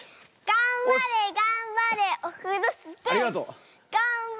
がんばれがんばれオフロスキー！